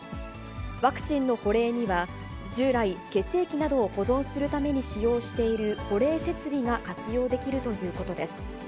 ワクチンの保冷には、従来、血液などを保存するために使用している保冷設備が活用できるということです。